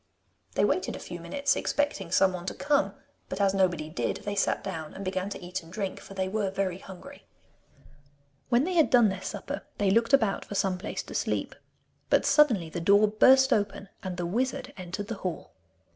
They waited a few minutes expecting someone to come, but as nobody did, they sat down and began to eat and drink, for they were very hungry. When they had done their supper they looked about for some place to sleep. But suddenly the door burst open, and the wizard entered the hall.